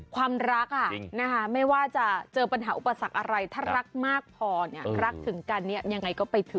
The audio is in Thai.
ความรักไม่ว่าจะเจอปัญหาอุปสรรคอะไรถ้ารักมากพอเนี่ยรักถึงกันเนี่ยยังไงก็ไปถึง